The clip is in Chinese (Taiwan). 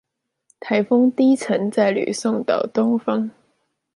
颱風低層在呂宋島東方